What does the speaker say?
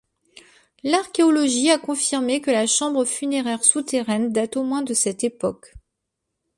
L'archéologie a confirmé que la chambre funéraire souterraine date au moins de cette époque.